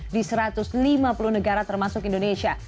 di satu ratus lima puluh negara termasuk indonesia